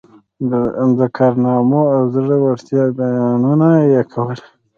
د کارنامو او زړه ورتیا بیانونه یې کول.